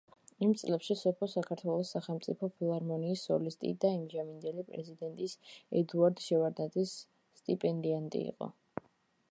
იმ წლებში სოფო საქართველოს სახელმწიფო ფილარმონიის სოლისტი და იმჟამინდელი პრეზიდენტის ედუარდ შევარდნაძის სტიპენდიანტი იყო.